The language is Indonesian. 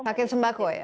paket sembako ya